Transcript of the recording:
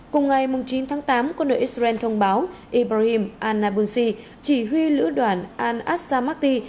cùng ngày chín tháng tám quân đội israel thông báo ibrahim al nabounsi chỉ huy lữ đoàn al assamakti